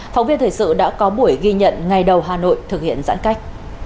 phóng viên thời sự đã có buổi ghi nhận ngày đầu hà nội thực hiện giãn cách